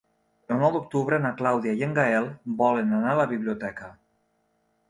El nou d'octubre na Clàudia i en Gaël volen anar a la biblioteca.